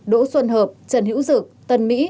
đỗ xuân hợp trần hữu dự tân mỹ